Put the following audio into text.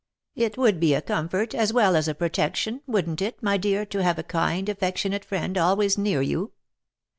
" It would be a comfort, as well as a protection, wouldn't it, my dear, to have a kind, affectionate friend, always near you